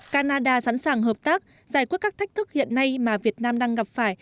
canada sẵn sàng hợp tác giải quyết các thách thức hiện nay mà việt nam đang gặp phải